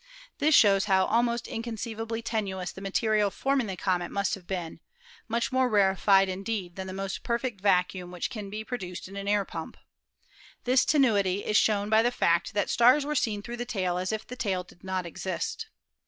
This shows how almost inconceivably tenuous the material forming the comet must have been — much more rarefied indeed than the most perfect vacuum which can be pro duced in an air pump. This tenuity is shown by the fact that stars were seen through the tail "as if the tail did not exist."